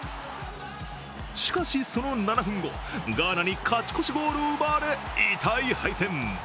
しかし、その７分後、ガーナに勝ち越しゴールを奪われ痛い敗戦。